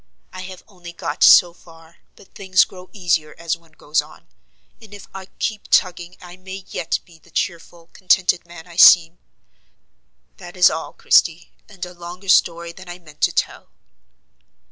I have only got so far, but things grow easier as one goes on; and if I keep tugging I may yet be the cheerful, contented man I seem. That is all, Christie, and a longer story than I meant to tell."